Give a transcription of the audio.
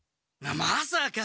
まさか！